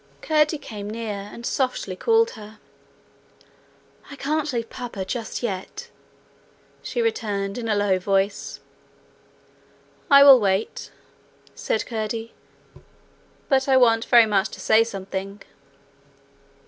Curdie came near, and softly called her. 'I can't leave Papa just yet,' she returned, in a low voice. 'I will wait,' said Curdie; 'but I want very much to say something.'